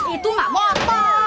itu gak motor